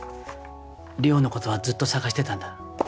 莉桜のことはずっと捜してたんだ